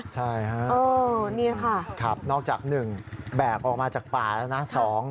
ใช่ฮะนี่ค่ะครับนอกจาก๑แบกออกมาจากป่าแล้วนะ